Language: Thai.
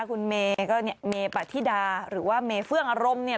คุณเมปฏิดาหรือว่าเมเฟื่องอารมณ์เนี่ย